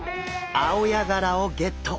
アオヤガラをゲット。